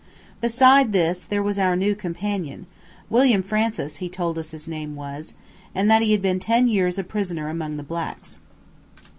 Beside this there was our new companion William Francis he told us his name was, and that he had been ten years a prisoner among the blacks.